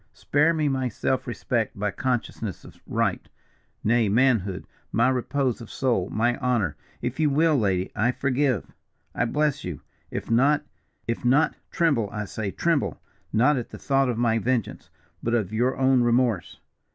Spare me my self respect, my consciousness of right, nay manhood, my repose of soul, my honour. If you will, lady, I forgive, I bless you. If not if not, tremble, I say, tremble, not at the thought of my vengeance, but of your own remorse.